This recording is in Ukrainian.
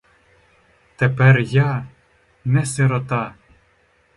Тепер я — не сирота!